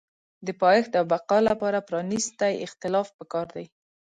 د پایښت او بقا لپاره پرانیستی اختلاف پکار دی.